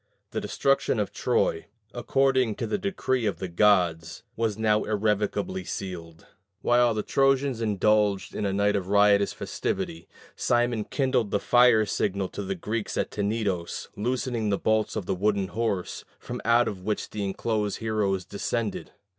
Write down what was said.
The destruction of Troy, according to the decree of the gods, was now irrevocably sealed. While the Trojans indulged in a night of riotous festivity, Simon kindled the fire signal to the Greeks at Tenedos, loosening the bolts of the wooden horse, from out of which the enclosed heroes descended.